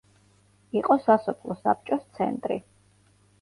იყო სასოფლო საბჭოს ცენტრი.